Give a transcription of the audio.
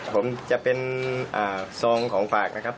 ผมจะเป็นซองของฝากนะครับ